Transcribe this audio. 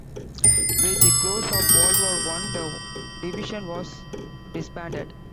With the close of World War One, the division was disbanded.